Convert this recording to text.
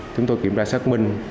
chúng tôi kiểm tra xác minh